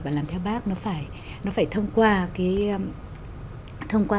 và làm theo bác nó phải thông qua